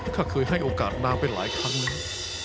ถ้าเคยให้โอกาสนางไปหลายครั้งแล้ว